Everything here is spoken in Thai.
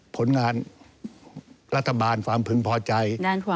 ผลงานรัฐบาลความพึงพอใจ